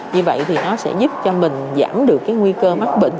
như vậy thì nó sẽ giúp cho mình giảm được cái nguy cơ mắc bệnh